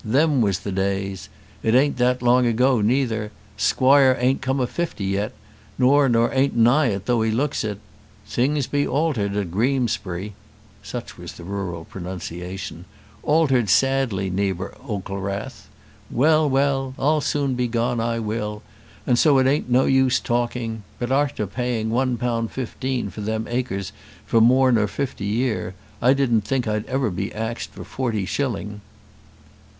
"Them was the days! It an't that long ago neither. Squoire a'nt come o' fifty yet; no, nor an't nigh it, though he looks it. Things be altered at Greemsbury" such was the rural pronunciation "altered sadly, neebor Oaklerath. Well, well; I'll soon be gone, I will, and so it an't no use talking; but arter paying one pound fifteen for them acres for more nor fifty year, I didn't think I'd ever be axed for forty shilling."